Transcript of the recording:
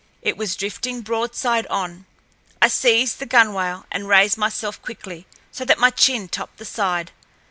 It was drifting broadside on. I seized the gunwale and raised myself quickly, so that my chin topped the side.